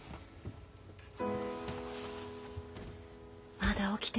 まだ起きてたの？